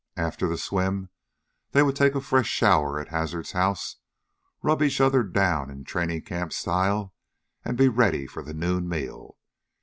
After the swim, they would take a fresh shower at Hazard's house, rub each other down in training camp style, and be ready for the noon meal.